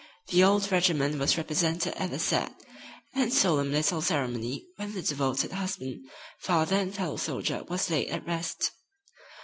The old regiment was represented at the sad and solemn little ceremony when the devoted husband, father and fellow soldier was laid at rest.